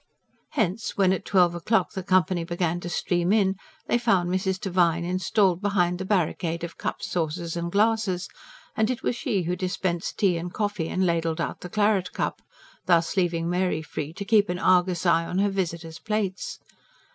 Hence, when at twelve o'clock the company began to stream in, they found Mrs. Devine installed behind the barricade of cups, saucers and glasses; and she it was who dispensed tea and coffee and ladled out the claret cup; thus leaving Mary free to keep an argus eye on her visitors' plates.